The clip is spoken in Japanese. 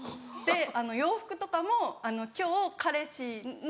洋服とかも今日彼氏の。